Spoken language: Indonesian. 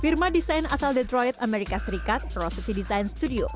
firma desain asal detroit amerika serikat rosetti design studio